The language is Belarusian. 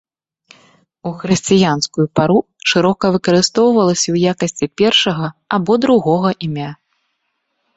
У хрысціянскую пару шырока выкарыстоўвалася ў якасці першага або другога імя.